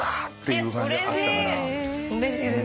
うれしいです。